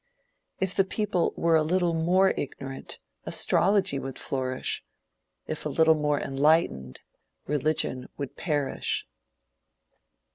If the people were a little more ignorant, astrology would flourish if a little more enlightened, religion would perish!